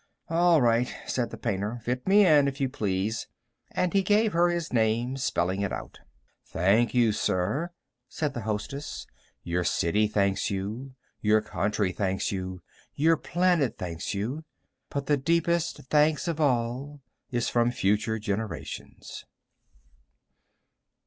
"All right," said the painter, "fit me in, if you please." And he gave her his name, spelling it out. "Thank you, sir," said the hostess. "Your city thanks you; your country thanks you; your planet thanks you. But the deepest thanks of all is from future generations."